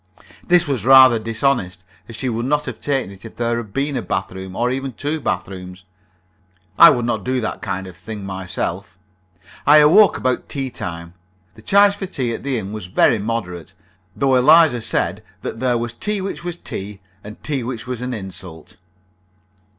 This was rather dishonest, as she would not have taken it if there had been a bath room, or even two bath rooms. I would not do that kind of thing myself. I awoke about tea time. The charge for tea at the inn was very moderate, though Eliza said that there was tea which was tea, and tea which was an insult.